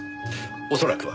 恐らくは。